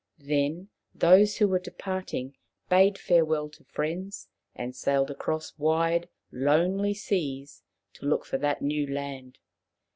Then those who were departing bade farewell to friends and sailed across wide, lonely seas to look for that new land.